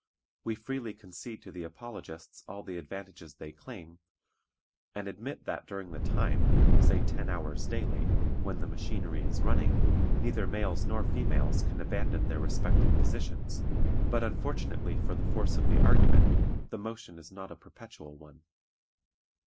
We freely concede to the apologists all the advantages they claim, and admit that during the time say ten hours daily when the machinery is running, neither males nor females can abandon their respective positions; but, unfortunately for the force of the argument, the motion is not a perpetual one.